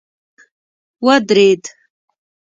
ودريد.